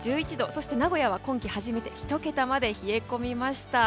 そして名古屋は今季初めて１桁まで冷え込みました。